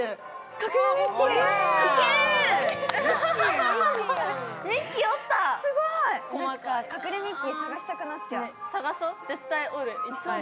隠れミッキー、探したくなっちゃう。